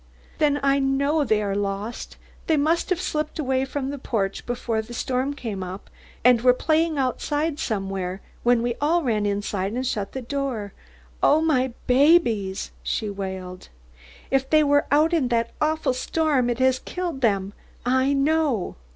Then I know they're lost. They must have slipped away from the porch before the storm came up, and were playing outside somewhere when we all ran inside and shut the door. Oh, my babies!" she wailed. "If they were out in all that awful storm it has killed them, I know.